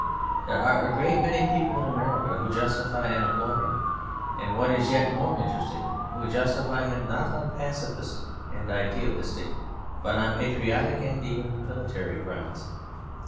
There are a great many people in America who justify and applaud him; and what is yet more interesting, who justify him not on pacifist and idealistic, but on patriotic and even military grounds.